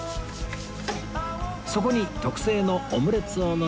そこに特製のオムレツをのせて出来上がり